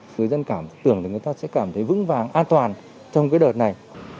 người dân cảm tưởng là người ta sẽ cảm thấy vững vàng an toàn trong cái đợt này